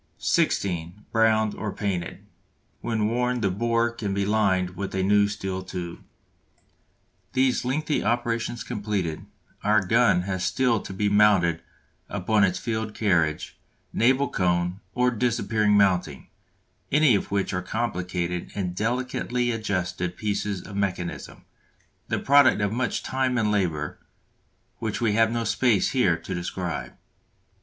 (16) Browned or painted. When worn the bore can be lined with a new steel tube. These lengthy operations completed, our gun has still to be mounted upon its field carriage, naval cone, or disappearing mounting, any of which are complicated and delicately adjusted pieces of mechanism, the product of much time and labour, which we have no space here to describe.